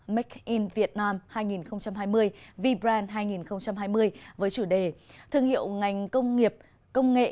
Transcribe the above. make in việt nam hai nghìn hai mươi v brand hai nghìn hai mươi với chủ đề thương hiệu ngành công nghiệp công nghệ